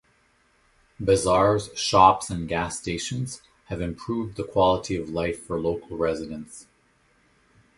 Bazaars, shops, and gas stations have improved the quality of life for local residents.